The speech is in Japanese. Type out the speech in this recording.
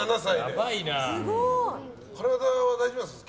体は大丈夫ですか？